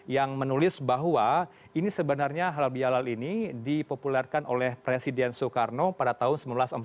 yang menulis bahwa ini sebenarnya halal bihalal ini dipopulerkan oleh presiden soekarno pada tahun seribu sembilan ratus empat puluh lima